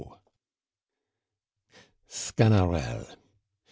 Sganarelle.